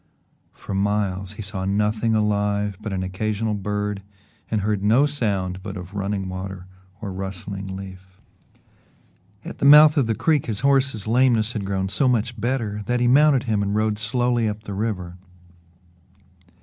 For miles he saw nothing alive but an occasional bird and heard no sound but of running water or rustling leaf. At the mouth of the creek his horse's lameness had grown so much better that he mounted him and rode slowly up the river.